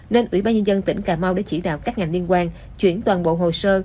nên ủy ban nhân dân tỉnh cà mau đã chỉ đạo các ngành liên quan chuyển toàn bộ hồ sơ